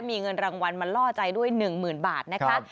มีเงินรางวัลมาล่อใจด้วยหนึ่งหมื่นบาทนะคะ